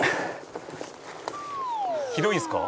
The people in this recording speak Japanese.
「ひどいんですか？